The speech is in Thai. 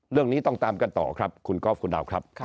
เรื่องนี้ต้องตามกันต่อครับคุณก๊อฟคุณดาวครับ